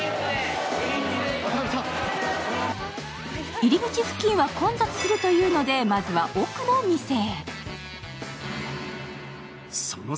入り口付近は混雑するというのでまずは奥の店へ。